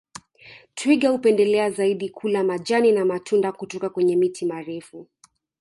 Twiga hupendelea zaidi kula majani na matunda kutoka kwenye miti marefu